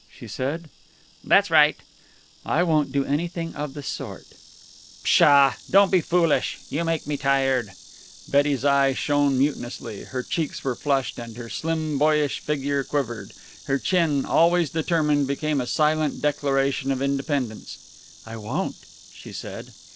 she said. "That's right." "I won't do anything of the sort." "Pshaw! Don't be foolish. You make me tired." Betty's eye shone mutinously. Her cheeks were flushed, and her slim, boyish figure quivered. Her chin, always determined, became a silent Declaration of Independence. "I won't," she said.